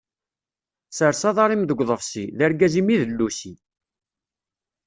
Sers aḍar-im deg uḍebṣi, d argaz-im i d llusi.